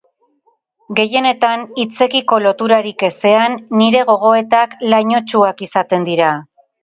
Gehienetan, hitzekiko loturarik ezean, nire gogoetak lainotsuak izaten dira.